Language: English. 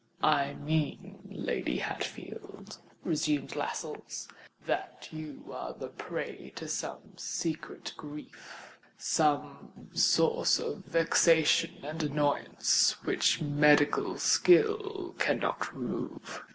"I mean, Lady Hatfield," resumed Lascelles, "that you are the prey to some secret grief—some source of vexation and annoyance, which medical skill cannot remove.